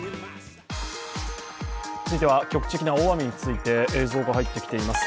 続いては局地的な大雨について映像が入ってきています。